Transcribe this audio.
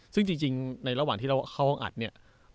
ซึ่งจริงในระหว่างที่เราเข้าห้องอัดเนี่ย